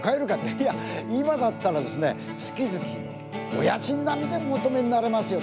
「いや今だったらですね月々のお家賃並みでお求めになれますよ」。